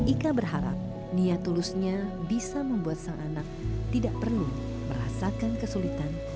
ika berharap niat tulusnya bisa membuat sang anak tidak perlu merasakan kesulitan